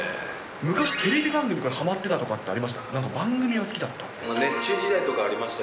昔、テレビ番組ではまってたとかってありました？